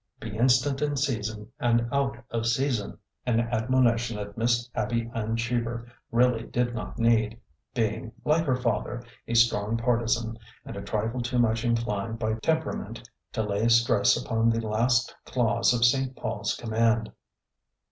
' Be instant in season and out of season,' an admonition that Miss Abby Ann Cheever really did not need, being, like her father, a strong partizan, and a trifle too much inclined by tempera ment to lay stress upon the last clause of St. Paul's com mand.